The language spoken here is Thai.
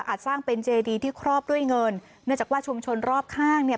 สร้างเป็นเจดีที่ครอบด้วยเงินเนื่องจากว่าชุมชนรอบข้างเนี่ย